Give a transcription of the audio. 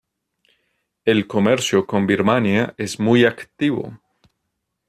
El comercio con Birmania es muy activo.